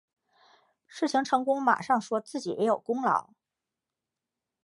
事情成功马上说自己也有功劳